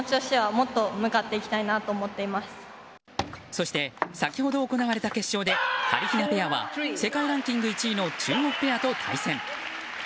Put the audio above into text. そして、先ほど行われた決勝ではりひなペアは世界ランキング１位の中国ペアと対戦。